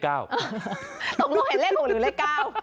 ตกลงเห็นเลข๖หรือเลข๙